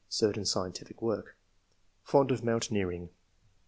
[certain scientific work.] Fond of mountaineering.''